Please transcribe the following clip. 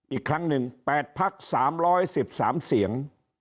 อีกครั้งหนึ่ง๘พัก๓๑๓เสียง